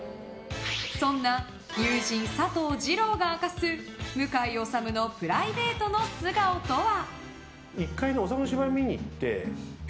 そんな、友人・佐藤二朗が明かす向井理のプライベートの素顔とは。